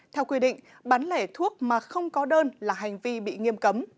theo quy định bán lẻ thuốc mà không có đơn là hành vi bị nghiêm cấm